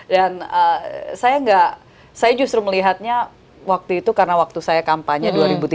dan saya justru melihatnya waktu itu karena waktu saya kampanye dua ribu tiga belas dua ribu empat belas